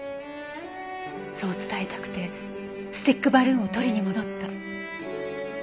そう伝えたくてスティックバルーンを取りに戻った。